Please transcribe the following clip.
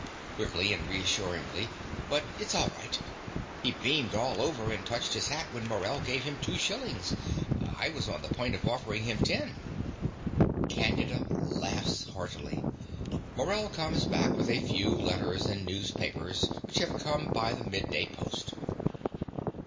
(Quickly and reassuringly.) But it's all right. He beamed all over and touched his hat when Morell gave him two shillings. I was on the point of offering him ten. (Candida laughs heartily. Morell comes back with a few letters and newspapers which have come by the midday post.)